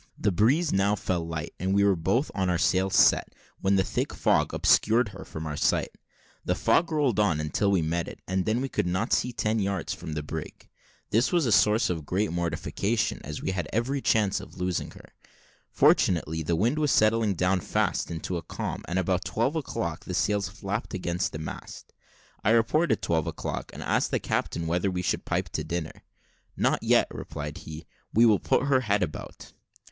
The breeze now fell light, and we were both with our sails set, when a thick fog obscured her from our sight. The fog rolled on till we met it, and then we could not see ten yards from the brig. This was a source of great mortification, as we had every chance of losing her. Fortunately, the wind was settling down fast into a calm, and about twelve o'clock the sails flapped against the mast. I reported twelve o'clock, and asked the captain whether we should pipe to dinner. "Not yet," replied he, "we will put her head about."